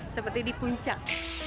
seperti di puncak